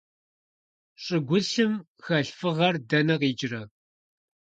ЩӀыгулъым хэлъ фыгъэр дэнэ къикӀрэ?